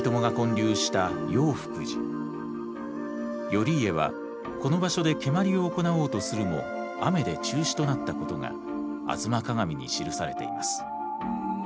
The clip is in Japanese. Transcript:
頼家はこの場所で蹴鞠を行おうとするも雨で中止となったことが「吾妻鏡」に記されています。